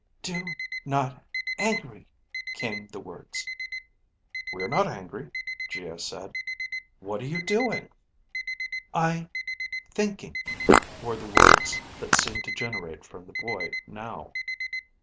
... Do ... not ... angry ... came the words. "We're not angry," Geo said. "What are you doing?" I ... thinking ... were the words that seemed to generate from the boy now.